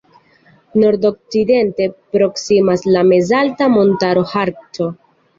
Nordokcidente proksimas la mezalta montaro Harco.